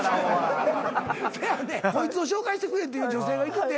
コイツを紹介してくれっていう女性がいてて。